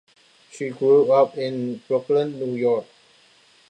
She grew up in Brooklyn, New York.